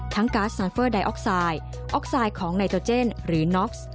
ก๊าซซานเฟอร์ไดออกไซด์ออกไซด์ของไนโตเจนหรือน็อกซ์